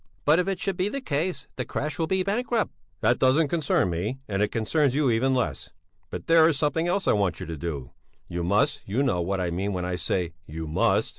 "But if it should be the case, the crèche will be bankrupt." "That doesn't concern me, and it concerns you even less. But there is something else I want you to do. You must you know what I mean when I say you must...."